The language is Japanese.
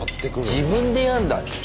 自分でやんだね。